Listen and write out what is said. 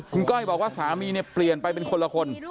คุณก้อยบอกว่าสามีเนี่ยเปลี่ยนไปเป็นคนละคน